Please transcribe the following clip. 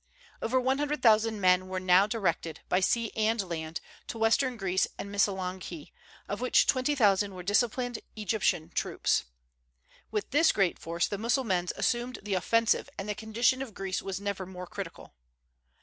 Over one hundred thousand men were now directed, by sea and land, to western Greece and Missolonghi, of which twenty thousand were disciplined Egyptian troops. With this great force the Mussulmans assumed the offensive, and the condition of Greece was never more critical.